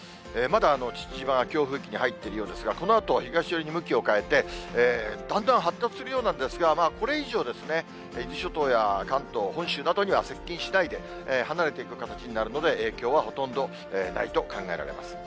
まだ父島が強風域に入っているようですが、このあと東寄りに向きを変えて、だんだん発達するようなんですが、これ以上、伊豆諸島や関東、本州などには接近しないで、離れていく形になるので、影響はほとんどないと考えられます。